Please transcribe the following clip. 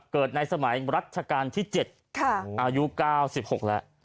เกิดในสมัยรัชกาลที่๗อายุ๙๖แล้ว